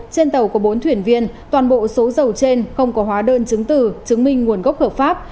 trên tàu có bốn thuyền viên toàn bộ số dầu trên không có hóa đơn chứng từ chứng minh nguồn gốc hợp pháp